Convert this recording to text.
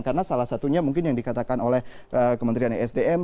karena salah satunya mungkin yang dikatakan oleh kementerian esdm